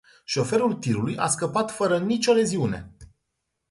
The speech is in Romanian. Șoferul tirului a scăpat fără nicio leziune.